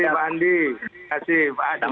terima kasih pak andi